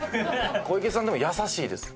小池さんでも優しいです。